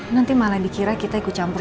nanti malah dikira kita ikut campur